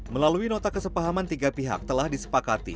melalui nota kesepahaman tiga pihak telah disepakati